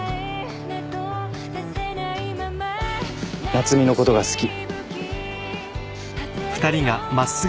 夏海のことが好き。